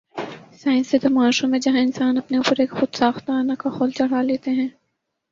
science زدہ معاشروں میں جہاں انسان اپنے اوپر ایک خود ساختہ انا کا خول چڑھا لیتے ہیں